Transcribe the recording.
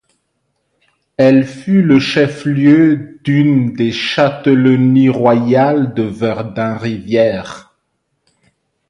Elle fut le chef-lieu d’une des châtellenies royales de Verdun-Rivière.